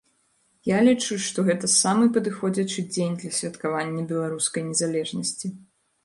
Я лічу, што гэта самы падыходзячы дзень для святкавання беларускай незалежнасці.